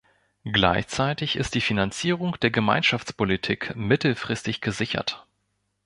Gleichzeitig ist die Finanzierung der Gemeinschaftspolitik mittelfristig gesichert.